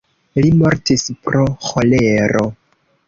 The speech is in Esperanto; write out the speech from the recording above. Li mortis pro ĥolero.